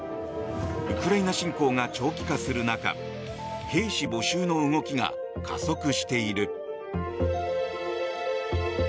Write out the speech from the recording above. ウクライナ侵攻が長期化する中兵士募集の動きが加速している。